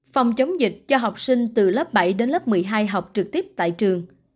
phòng chống dịch cho học sinh từ lớp bảy đến lớp một mươi hai học trực tiếp tại trường